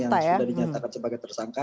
yang sudah dinyatakan sebagai tersangka